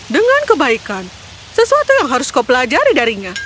dengan kebaikan sesuatu yang harus kau pelajari darinya